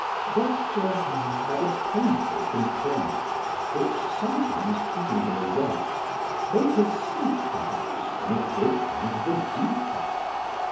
Dr. —— had a painful complaint, which, sometimes keeping him awake, made his sleep perhaps, when it did come, the deeper.